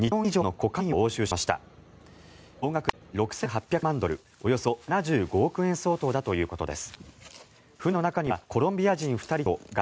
コカインはおよそ７５億円相当の量だということです。